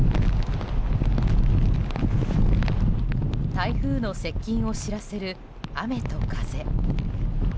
台風の接近を知らせる雨と風。